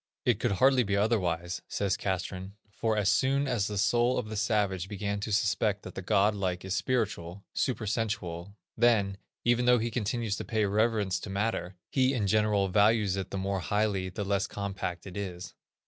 "It could hardly be otherwise," says Castrén, "for as soon as the soul of the savage began to suspect that the godlike is spiritual, super sensual, then, even though he continues to pay reverence to matter, he in general values it the more highly the less compact it is.